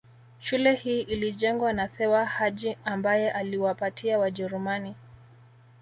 Shule hii ilijengwa na Sewa Haji ambaye aliwapatia Wajerumani